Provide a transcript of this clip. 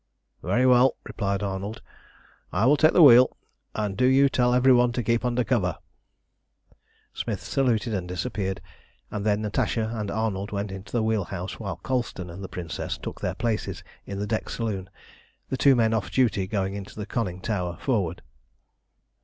"Very well," replied Arnold. "I will take the wheel, and do you tell every one to keep under cover." Smith saluted, and disappeared, and then Natasha and Arnold went into the wheel house, while Colston and the Princess took their places in the deck saloon, the two men off duty going into the conning tower forward.